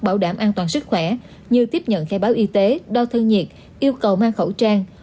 bảo đảm an toàn sức khỏe như tiếp nhận khai báo y tế đo thân nhiệt yêu cầu mang khẩu trang